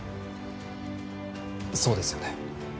そうですよね。